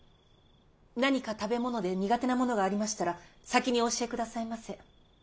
何か食べ物で苦手なものがありましたら先にお教えくださいませ。